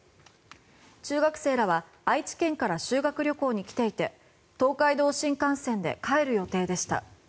中学生らは愛知県から修学旅行に来ていて東海道新幹線で帰る予定でした。